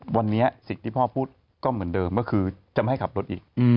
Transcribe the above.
วันนี้สิ่งที่พ่อพูดก็เหมือนเดิมก็คือจะไม่ให้ขับรถอีก